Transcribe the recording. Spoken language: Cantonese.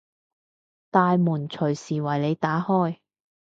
大門隨時為你打開